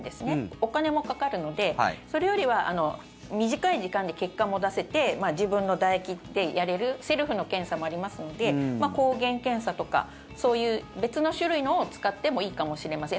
お金もかかるので、それよりは短い時間で結果も出せて自分のだ液でやれるセルフの検査もありますので抗原検査とかそういう別の種類のを使ってもいいかもしれません。